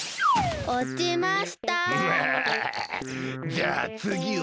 じゃあつぎは。